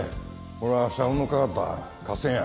これは社運の懸かった合戦や。